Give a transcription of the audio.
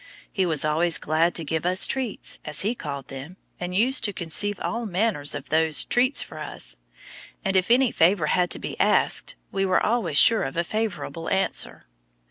He was always glad to give us "treats," as he called them, and used to conceive all manner of those "treats" for us, and if any favor had to be asked we were always sure of a favorable answer.